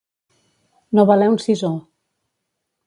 No valer un sisó.